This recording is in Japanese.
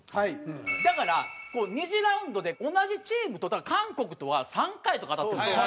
だから２次ラウンドで同じチームと韓国とは３回とか当たってるんですよ。